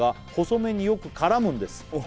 「細麺によく絡むんです」